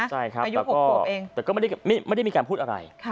ใช่ครับแล้วก็แต่ก็ไม่ได้มีการพูดอะไร